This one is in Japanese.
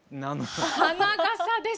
花笠です！